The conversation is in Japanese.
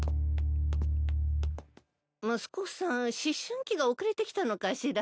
息子さん思春期が遅れてきたのかしら。